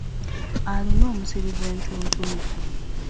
Alina omusiri gwe ntuntunu